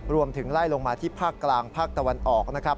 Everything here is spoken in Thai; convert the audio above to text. ไล่ลงมาที่ภาคกลางภาคตะวันออกนะครับ